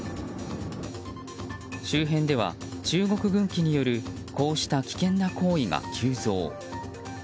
周辺では、中国軍機によるこうした危険な行為が急増。